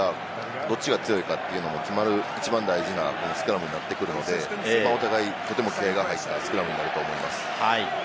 どっちが強いかが決まる一番大事なスクラムになるので、お互い気合が入ったスクラムになると思います。